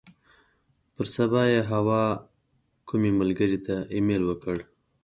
پر سبا یې حوا کومې ملګرې ته ایمیل وکړ.